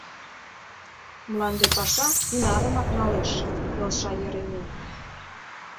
Мланде паша ӱнарымак налеш, — келша Еремей.